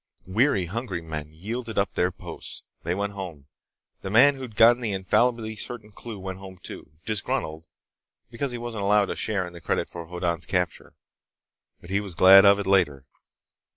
Weary, hungry men yielded up their posts. They went home. The man who'd gotten the infallibly certain clue went home too, disgruntled because he wasn't allowed a share in the credit for Hoddan's capture. But he was glad of it later.